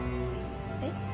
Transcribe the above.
えっ？